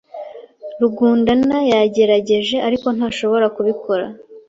Rugundana yagerageje, ariko ntashobora kubikora.